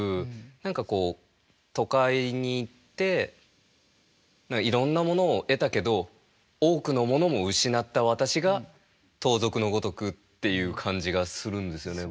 何かこう都会に行っていろんなものを得たけど多くのものも失った私が盗賊のごとくっていう感じがするんですよね